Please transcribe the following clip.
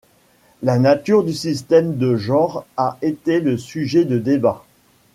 La nature du système de genre a été le sujet de débats.